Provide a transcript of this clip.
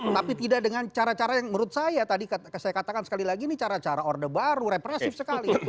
tapi tidak dengan cara cara yang menurut saya tadi saya katakan sekali lagi ini cara cara orde baru represif sekali